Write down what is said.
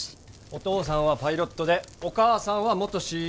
お父さんはパイロットでお母さんは元ＣＡ。